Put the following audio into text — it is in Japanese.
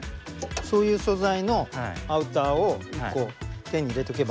そういう素材のアウターを１個手に入れとけば。